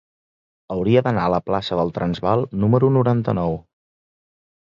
Hauria d'anar a la plaça del Transvaal número noranta-nou.